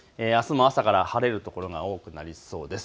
あすも朝から晴れる所が多くなりそうです。